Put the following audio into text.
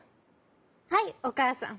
「はいおかあさん。